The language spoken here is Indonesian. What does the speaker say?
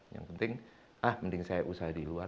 yang penting saya usaha di luar